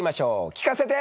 聞かせて。